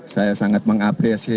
saya sangat mengapresiasi